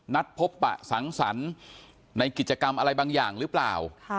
นัดพบปะสังสรรค์ในกิจกรรมอะไรบางอย่างหรือเปล่า